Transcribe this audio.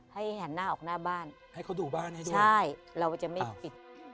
ให้หันหน้าออกหน้าบ้านให้เขาดูบ้านให้ดูใช่เราจะไม่ปิด